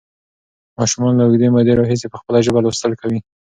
ماشومان له اوږدې مودې راهیسې په خپله ژبه لوستل کوي.